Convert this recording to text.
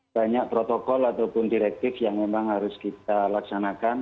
banyak protokol ataupun direktif yang memang harus kita laksanakan